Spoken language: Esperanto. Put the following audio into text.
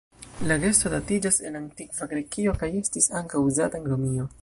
La gesto datiĝas el Antikva Grekio kaj estis ankaŭ uzata en Romio.